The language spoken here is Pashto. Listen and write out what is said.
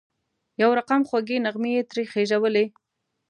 یو رقم خوږې نغمې یې ترې خېژولې.